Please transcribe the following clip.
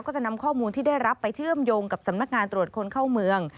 จะนำข้อมูลที่ได้รับไปเชื่อมโยงกับสำนักงานตรวจคนเข้าเมือง